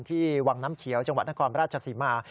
วังน้ำเขียวจังหวัดนครราชศรีมา